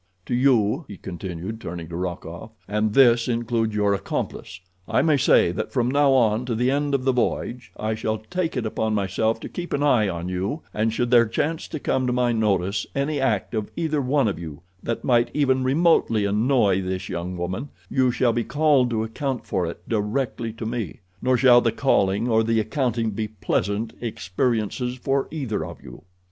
To you," he continued, turning to Rokoff, "and this includes your accomplice, I may say that from now on to the end of the voyage I shall take it upon myself to keep an eye on you, and should there chance to come to my notice any act of either one of you that might even remotely annoy this young woman you shall be called to account for it directly to me, nor shall the calling or the accounting be pleasant experiences for either of you.